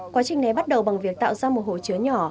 quá trình này bắt đầu bằng việc tạo ra một hồ chứa nhỏ